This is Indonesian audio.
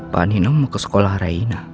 panino mau ke sekolah rena